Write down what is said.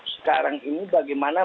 sekarang ini bagaimana